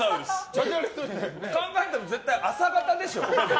考えたの絶対、朝方でしょ。